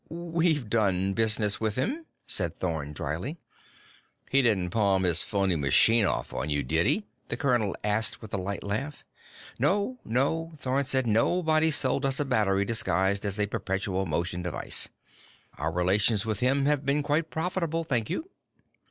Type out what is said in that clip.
"We've done business with him," said Thorn dryly. "He didn't palm his phony machine off on you, did he?" the colonel asked with a light laugh. "No, no," Thorn said. "Nobody sold us a battery disguised as a perpetual motion device. Our relations with him have been quite profitable, thank you."